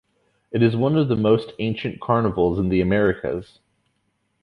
It is one of the most ancient carnivals in the Americas.